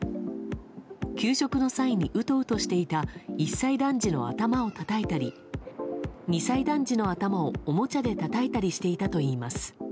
給食の際に、うとうとしていた１歳男児の頭をたたいたり２歳男児の頭を、おもちゃでたたいたりしていたといいます。